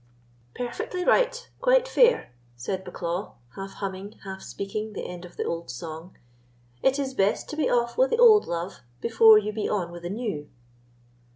"Perfectly right—quite fair," said Bucklaw, half humming, half speaking the end of the old song— "It is best to be off wi' the old love Before you be on wi' the new.